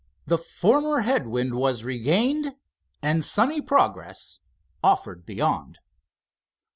The former head wind was regained, and sunny progress offered beyond.